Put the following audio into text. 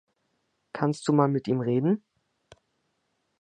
Kannst du mal mit ihm reden?